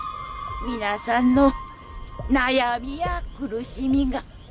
皆さんの悩みや苦しみが。